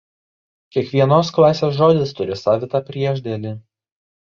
Kiekvienos klasės žodis turi savitą priešdėlį.